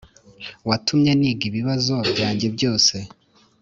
watumye niga ibibazo byanjye byose.